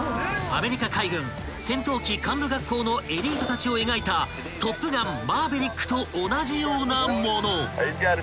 アメリカ海軍戦闘機幹部学校のエリートたちを描いた『トップガンマーヴェリック』と同じようなもの］